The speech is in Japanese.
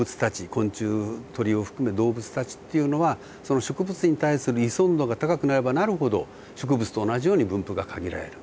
昆虫鳥を含め動物たちっていうのはその植物に対する依存度が高くなればなるほど植物と同じように分布が限られる。